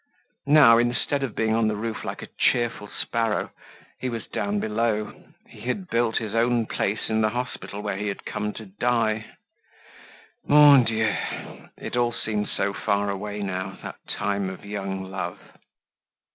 Now, instead of being on the roof like a cheerful sparrow, he was down below. He had built his own place in the hospital where he had come to die. Mon Dieu! It all seemed so far way now, that time of young love.